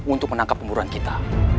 untuk menangkap pemburu pemburu kita